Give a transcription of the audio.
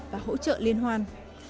và hỗ trợ liên hoan